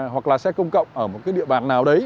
hoặc là xe công cộng ở một cái địa bàn nào đấy